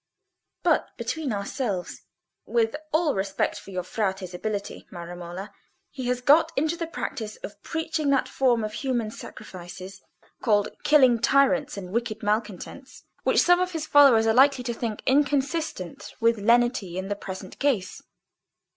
But between ourselves, with all respect for your Frate's ability, my Romola, he has got into the practice of preaching that form of human sacrifices called killing tyrants and wicked malcontents, which some of his followers are likely to think inconsistent with lenity in the present case."